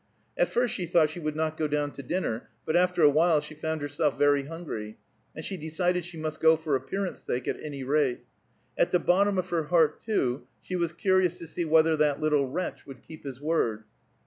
At first she thought she would not go down to dinner, but after a while she found herself very hungry, and she decided she must go for appearance sake at any rate. At the bottom of her heart, too, she was curious to see whether that little wretch would keep his word.